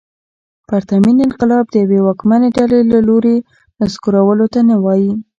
پرتمین انقلاب د یوې واکمنې ډلې له لوري نسکورولو ته نه وايي.